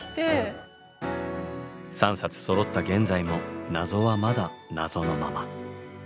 ３冊そろった現在も謎はまだ謎のまま。